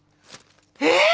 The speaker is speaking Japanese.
えっ？